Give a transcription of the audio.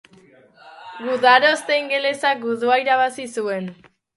Gudaroste ingelesak gudua irabazi zuen.